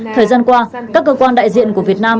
thời gian qua các cơ quan đại diện của việt nam